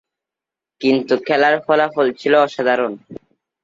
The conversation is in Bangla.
কিন্তু খেলার ফলাফল ছিল অসাধারন।